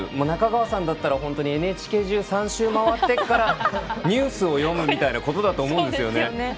中川さんだったら、ＮＨＫ中３周回ってからニュースを読むみたいなことだと思います。